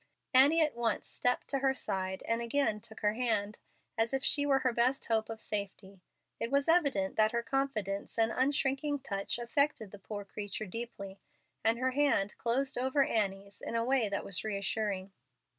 Annie at once stepped to her side and again took her hand, as if she were her best hope of safety. It was evident that her confidence and unshrinking touch affected the poor creature deeply, and her hand closed over Annie's in a way that was reassuring.